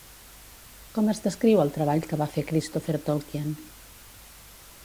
Com es descriu el treball que va fer Christopher Tolkien?